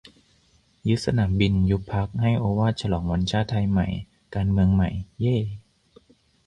ยึดสนามบิน ยุบพรรค ให้โอวาท ฉลองวันชาติไทยใหม่ การเมืองใหม่ เย่ !